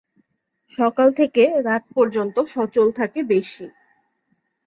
সকাল থেকে রাত পর্যন্ত সচল থাকে বেশি।